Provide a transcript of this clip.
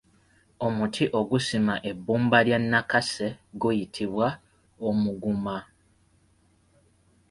Omuti ogusima ebbumba lya Nakase guyitibwa Omuguma.